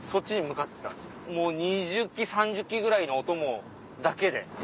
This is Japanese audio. もう２０騎３０騎ぐらいのお供だけで。